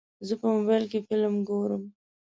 زه په موبایل کې فلم ګورم.